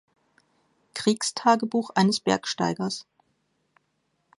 Kriegstagebuch eines Bergsteigers.